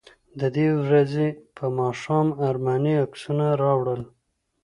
د دې ورځې په ماښام ارماني عکسونه راوړل.